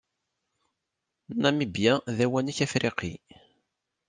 Namibya d awanak afriqi.